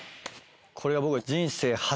これは僕の。